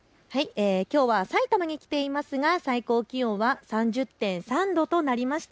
きょうは埼玉に来ていますが最高気温は３０．３度となりました。